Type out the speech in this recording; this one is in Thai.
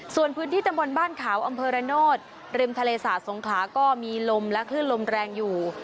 ส่วนพื้นที่ตำบลบ้านขาวอำเภอระโนธริมทะเลสาสงขลาก็มีลมและคลื่นลมแรงอยู่